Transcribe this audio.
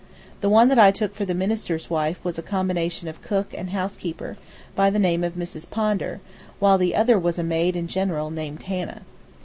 The one that I took for the minister's wife was a combination of cook and housekeeper, by the name of Miss Pondar, and the other was a maid in general, named Hannah.